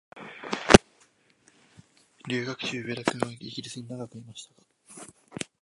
留学中、上田君はイギリスに長くいましたが、